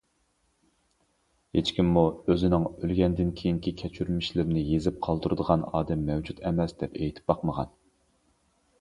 ھېچكىممۇ، ئۆزىنىڭ ئۆلگەندىن كېيىنكى كەچۈرمىشلىرىنى يېزىپ قالدۇرىدىغان ئادەم مەۋجۇت ئەمەس، دەپ ئېيتىپ باقمىغان.